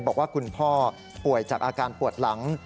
บอกว่าคุณพ่อป่วยจากอาการปวดหลัง